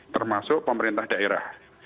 termasuk pemerintah daerah